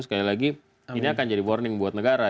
sekali lagi ini akan jadi warning buat negara